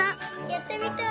やってみたい！